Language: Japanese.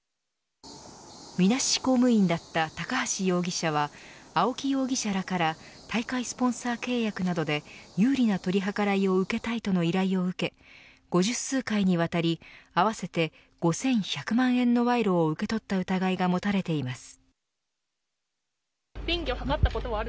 みなし公務員だった高橋容疑者は青木容疑者らから大会スポンサー契約などで有利な取り計らいを受けたいとの依頼を受け五十数回にわたり合わせて５１００万円の賄賂を受け取った疑いが持たれています。